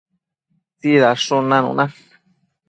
tsidadshun nanuna